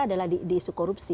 adalah di isu korupsi